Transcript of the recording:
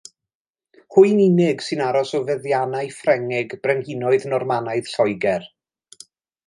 Hwy'n unig sy'n aros o feddiannau Ffrengig brenhinoedd Normanaidd Lloegr.